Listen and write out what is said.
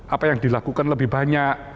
apa yang dilakukan lebih banyak